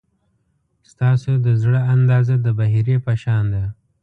ستاسو د زړه اندازه د بحیرې په شان ده.